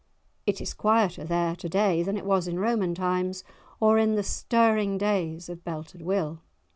It is quieter there to day than it was in Roman times, or in the stirring days of Belted Will!